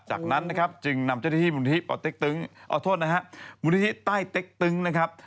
จากนั้นนะครับจึงนำเจ้าที่มุมธิต้ายเต๊กตึ๋งนะครับ